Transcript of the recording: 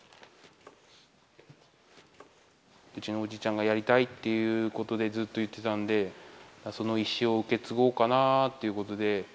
うちのおじいちゃんがやりたいっていうことをずっと言ってたので、その遺志を受け継ごうかなぁということで。